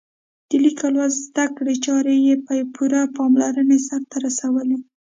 د لیک او لوست زده کړې چارې یې په پوره پاملرنه سرته رسولې.